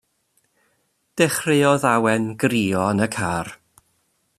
Dechreuodd Awen grio yn y car.